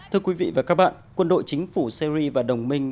thưa quý vị và các bạn quân đội chính phủ syri và đồng minh